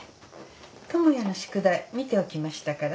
智也の宿題見ておきましたから。